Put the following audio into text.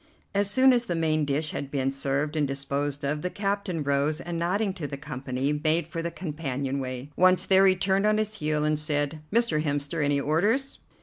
As soon as the main dish had been served and disposed of, the captain rose, and, nodding to the company, made for the companion way. Once there he turned on his heel and said: "Mr. Hemster, any orders?"